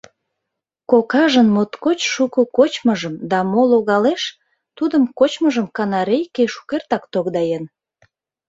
Кокажын моткоч шуко кочмыжым да мо логалеш, тудым кочмыжым канарейке шукертак тогдаен.